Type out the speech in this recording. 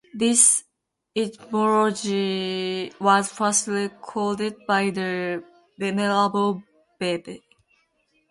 This etymology was first recorded by the Venerable Bede.